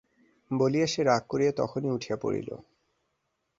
বলিয়া সে রাগ করিয়া তখনি উঠিয়া পড়িল।